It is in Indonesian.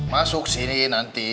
masuk sini nanti